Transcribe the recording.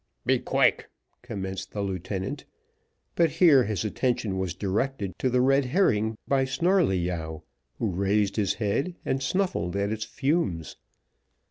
"Be quick!" commenced the lieutenant; but here his attention was directed to the red herring by Snarleyyow, who raised his head and snuffed at its fumes.